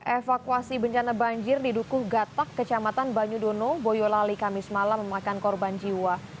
evakuasi bencana banjir di dukuh gatak kecamatan banyudono boyolali kamis malam memakan korban jiwa